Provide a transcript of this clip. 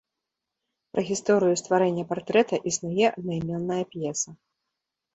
Пра гісторыю стварэння партрэта існуе аднайменная п'еса.